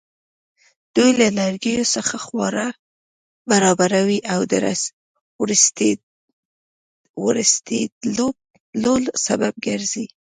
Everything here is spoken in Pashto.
دوی له لرګیو څخه خواړه برابروي او د ورستېدلو سبب ګرځي.